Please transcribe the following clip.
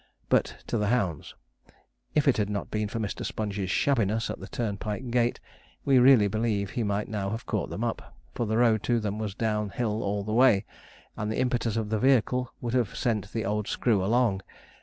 But to the hounds. If it had not been for Mr. Sponge's shabbiness at the turnpike gate, we really believe he might now have caught them up, for the road to them was down hill all the way, and the impetus of the vehicle would have sent the old screw along.